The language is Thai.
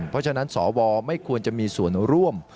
เพราะฉะนั้นสวไม่ควรจะมีส่วนร่วม